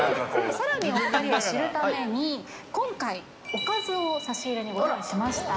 さらにお２人をしるために今回、おかずを差し入れにご用意しました。